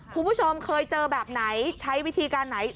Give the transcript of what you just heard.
คุณผู้ชมเคยเจอแบบไหนใช้วิธีการไหน